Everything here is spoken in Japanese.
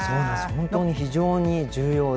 本当に非常に重要で。